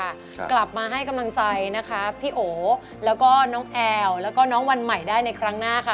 กลับมาให้กำลังใจนะคะพี่โอแล้วก็น้องแอลแล้วก็น้องวันใหม่ได้ในครั้งหน้าค่ะ